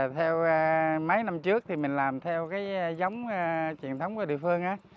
theo mấy năm trước mình làm theo giống truyền thống của địa phương